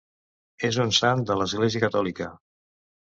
És un sant de l'Església Catòlica.